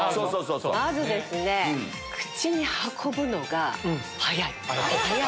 まず口に運ぶのが早い。